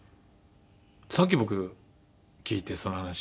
さっき僕聞いてその話を。